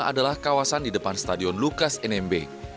adalah kawasan di depan stadion lukas nmb